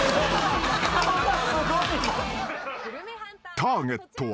［ターゲットは］